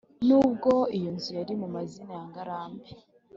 nubwo iyo nzu yari mu mazina ya ngarambe,